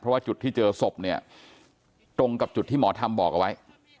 เพราะว่าจุดที่เจอศพเนี่ยตรงกับจุดที่หมอทำบอกเอาไว้